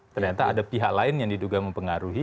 ternyata ada pihak lain yang diduga mempengaruhi